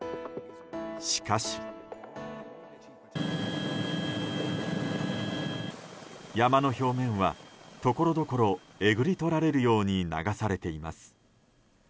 しかし、山の表面はところどころえぐり取られるように流されています。